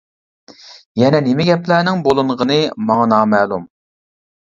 يەنە نېمە گەپلەرنىڭ بولۇنغىنى ماڭا نامەلۇم.